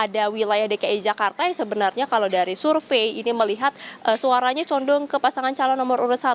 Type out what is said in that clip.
ada wilayah dki jakarta yang sebenarnya kalau dari survei ini melihat suaranya condong ke pasangan calon nomor urut satu